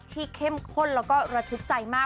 ที่เข้มข้นและรับทุกใจมาก